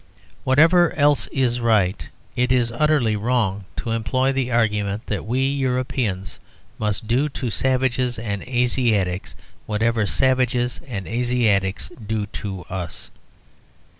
Whatever else is right, it is utterly wrong to employ the argument that we Europeans must do to savages and Asiatics whatever savages and Asiatics do to us.